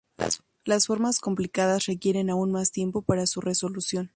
Las formas complicadas requieren aún más tiempo para su resolución.